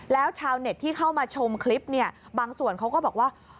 แล้วชาวเน็ตที่เข้ามาชมคลิปเนี่ยบางส่วนเขาก็บอกว่า